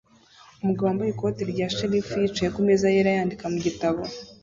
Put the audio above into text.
Umugabo wambaye ikoti rya shelifu yicaye kumeza yera yandika mugitabo